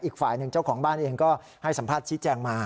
อีกฝ่ายหนึ่งเจ้าของบ้านเองก็ให้สัมภาษณ์ชี้แจงมา